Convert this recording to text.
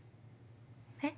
えっ？